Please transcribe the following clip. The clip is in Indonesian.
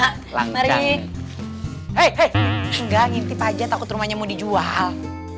hei hei enggak ngintip aja takut rumahnya mau dijual